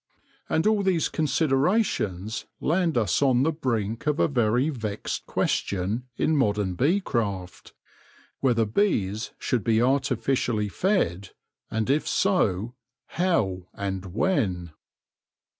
And all these considerations land us on the brink of a very vexed question in modern bee craft — whether bees should be artificially fed, and if so, how and when